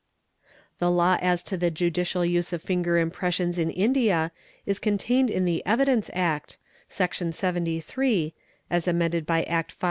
.. The law as to the Judicial use of finger impressions in India is contained in The Evidence Act, see 73, (as amended by Act V.